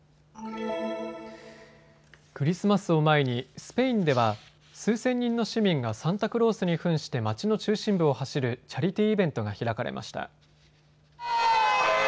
クリスマスを前にスペインでは数千人の市民がサンタクロースにふんして街の中心部を走るチャリティーイベントが開かれました。